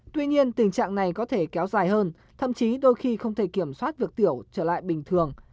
tuy nhiên tình trạng này có thể kéo dài hơn thậm chí đôi khi không thể kiểm soát việc tiểu trở lại bình thường